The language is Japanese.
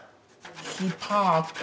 スパーク！